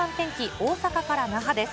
大阪から那覇です。